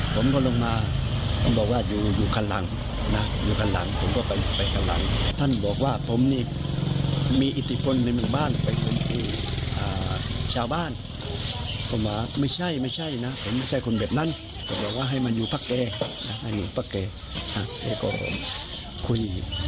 ทำตัวให้มันอยู่ภาคแก่ใกล้บพูดกัน